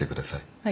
はい。